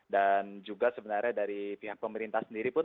dan juga sebenarnya dari pihak pemerintah sendiri pun